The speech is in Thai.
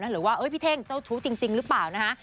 หรือว่าพี่เท่งเจ้าชู้จริงหรือเปล่านะคะ